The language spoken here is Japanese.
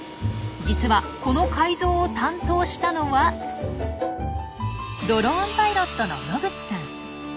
実はこの改造を担当したのはドローンパイロットの野口さん。